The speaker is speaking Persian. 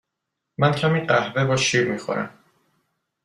من کمی قهوه با شیر می خورم.